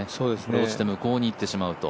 落ちて向こうに行ってしまうと。